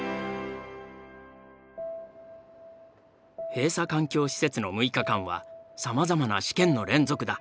閉鎖環境施設の６日間はさまざまな試験の連続だ。